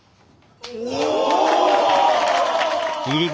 お！